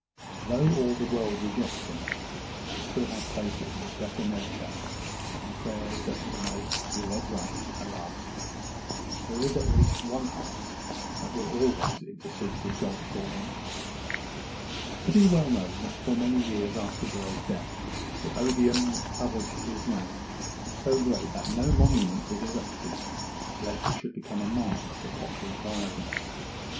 Though all the world reject him, I still have faith in this better nature, and prayers that he may be led right at last. There is at least one heart that will always intercede with God for him.' It is well known that for many years after Burr's death the odium that covered his name was so great that no monument was erected, lest it should become a mark for popular violence.